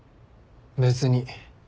別に。